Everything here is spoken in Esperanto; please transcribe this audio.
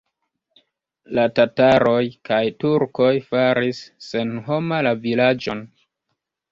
La tataroj kaj turkoj faris senhoma la vilaĝon.